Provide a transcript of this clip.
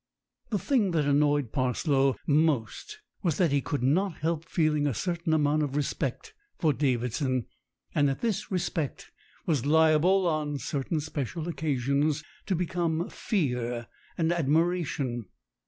The thing that annoyed Parslow most was that he could not help feeling a certain amount of re spect for Davidson, and that this respect was liable on certain special occasions to become fear and admira tion.